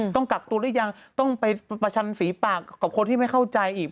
ต้องกักตัวหรือยังต้องไปประชันฝีปากกับคนที่ไม่เข้าใจอีก